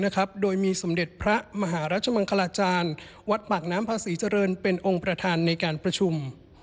โดยมีสมเด็จพระมหารัชมังคลาจารย์วัดปากน้ำภาษีเจริญเป็นองค์ประธานในการประชุม